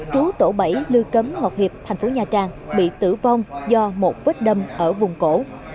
trú tổ bảy lưu cấm ngọc hiệp thành phố nha trang bị tử vong do một vết đâm ở vùng cổ